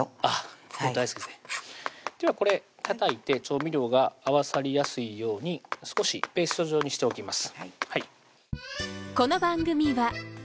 僕も大好きですねではこれたたいて調味料が合わさりやすいように少しペースト状にしておきます